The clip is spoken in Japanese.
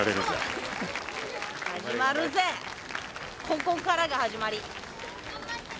ここからが始まり